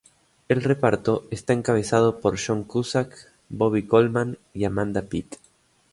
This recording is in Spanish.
El reparto está encabezado por John Cusack, Bobby Coleman y Amanda Peet.